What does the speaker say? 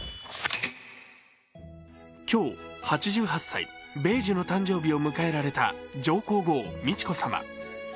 今日、８８歳、米寿の誕生日を迎えられた上皇后・美智子さま。